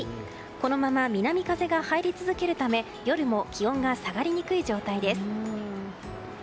このまま南風が入り続けるため夜も気温が下がりにくい状態です。